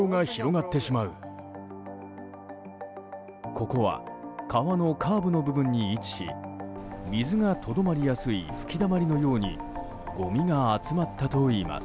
ここは川のカーブの部分に位置し水がとどまりやすい吹きだまりのようにごみが集まったといいます。